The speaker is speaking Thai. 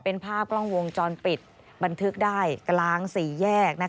เป็นภาพกล้องวงจรปิดบันทึกได้กลางสี่แยก